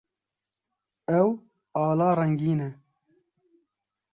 Ew ala rengîn e.